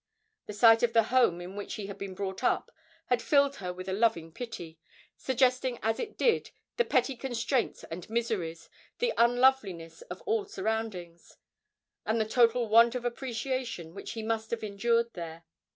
The sight of the home in which he had been brought up had filled her with a loving pity, suggesting as it did the petty constraints and miseries, the unloveliness of all surroundings, and the total want of appreciation which he must have endured there.